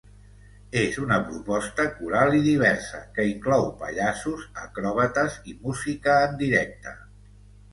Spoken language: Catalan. És una proposta coral i diversa que inclou pallassos, acròbates i música en directe.